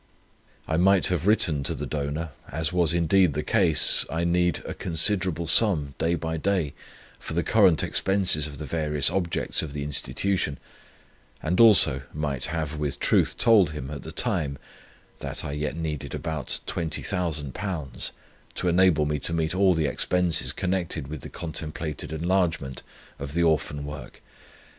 I might have written to the donor (as was indeed the case), I need a considerable sum day by day for the current expenses of the various objects of the Institution, and also might have with truth told him, at that time, that I yet needed about Twenty Thousand Pounds, to enable me to meet all the expenses connected with the contemplated enlargement of the Orphan work.